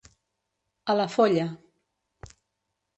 A la folla.